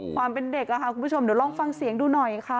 ความเป็นเด็กค่ะคุณผู้ชมเดี๋ยวลองฟังเสียงดูหน่อยค่ะ